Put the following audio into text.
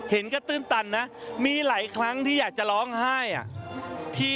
เห็นก็ตื้นตันนะมีหลายครั้งที่อยากจะร้องไห้